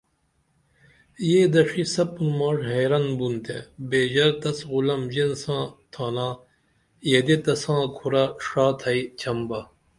یے دڇھی سپُن ماش حیرن بون تے بیژر تس غُلم ژین ساں تھانا یدے تساں کھرہ ڜا تھئی چھم با